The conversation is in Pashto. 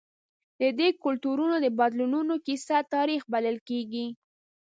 د دې کلتورونو د بدلونونو کیسه تاریخ بلل کېږي.